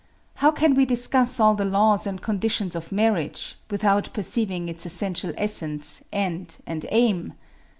How can we discuss all the laws and conditions of marriage, without perceiving its essential essence, end, and aim?